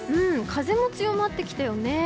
風も強まってきたよね。